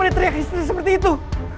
dia teriak istri seperti itu